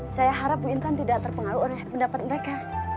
saya harap bu intan tidak terpengaruh oleh pendapat mereka